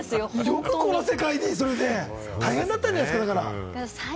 よくこ大変だったんじゃないですか？